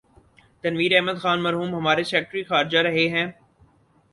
تنویر احمد خان مرحوم ہمارے سیکرٹری خارجہ رہے ہیں۔